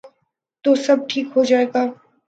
تو سب ٹھیک ہو جائے گا۔